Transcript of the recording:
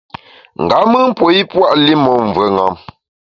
Nga mùn puo i pua’ li mon mvùeṅam.